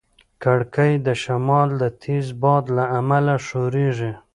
کړکۍ د شمال د تېز باد له امله ښورېږي.